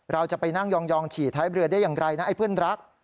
เราจะไปนั่งยองฉี่ท้ายเรือได้อย่างไรนะไอ้เพื่อนรัก